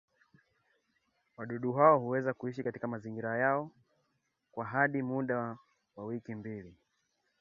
wadudu hao huweza kuishi katika mazingira hayo kwa hadi muda wa wiki mbili